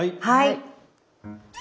はい。